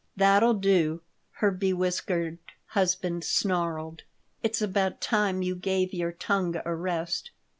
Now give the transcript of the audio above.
"That'll do," her bewhiskered husband snarled. " "It's about time you gave your tongue a rest."